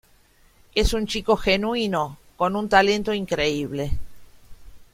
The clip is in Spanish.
Es un chico genuino, con un talento increíble.